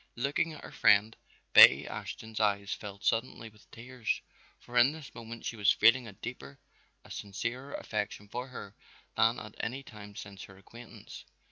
Looking at her friend, Betty Ashton's eyes filled suddenly with tears, for in this moment she was feeling a deeper, a sincerer affection for her than at any time since their acquaintance.